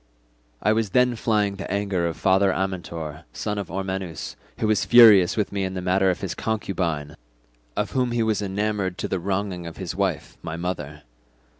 I was then flying the anger of father Amyntor, son of Ormenus, who was furious with me in the matter of his concubine, of whom he was enamoured to the wronging of his wife my mother.